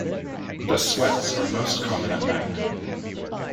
The sweats are most common at night.